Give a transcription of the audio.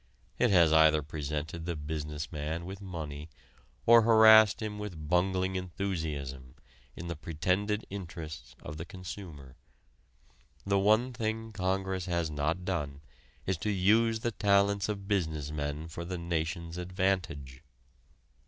It has either presented the business man with money or harassed him with bungling enthusiasm in the pretended interests of the consumer. The one thing Congress has not done is to use the talents of business men for the nation's advantage.